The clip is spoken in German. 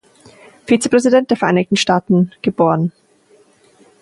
Vizepräsident der Vereinigten Staaten, geboren.